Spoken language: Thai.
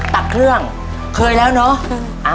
ตักเครื่องเคยแล้วเนอะ